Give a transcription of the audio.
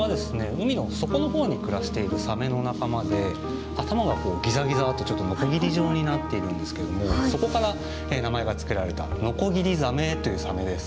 海の底のほうに暮らしているサメの仲間で頭がギザギザとちょっとノコギリ状になっているんですけどもそこから名前が付けられたノコギリザメというサメです。